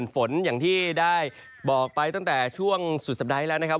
ฝนอย่างที่ได้บอกไปตั้งแต่ช่วงสุดสัปดาห์ที่แล้วนะครับ